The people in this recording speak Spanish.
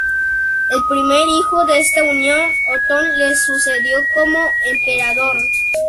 El primer hijo de esta unión, Otón, le sucedió como emperador.